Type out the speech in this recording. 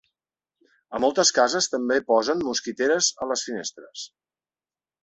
A moltes cases també posen mosquiteres a les finestres.